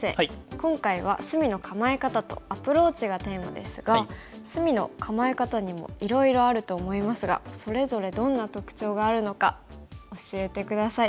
今回は隅の構え方とアプローチがテーマですが隅の構え方にもいろいろあると思いますがそれぞれどんな特徴があるのか教えて下さい。